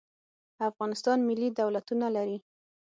افغانستان ملي دولتونه لري.